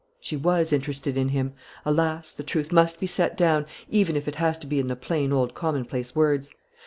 She was interested in him. Alas! the truth must be set down, even if it has to be in the plain old commonplace words.